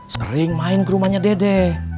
sering main ke rumahnya dede